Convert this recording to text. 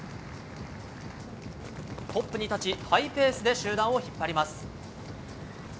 トップに立ち、ハイペースで集団を引っ張ります。